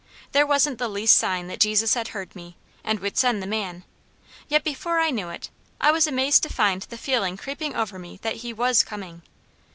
There wasn't the least sign that Jesus had heard me, and would send the man; yet before I knew it, I was amazed to find the feeling creeping over me that he was coming.